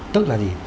tức là gì